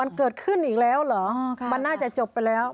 มันเกิดขึ้นอีกแล้วเหรอมันน่าจะจบไปแล้ว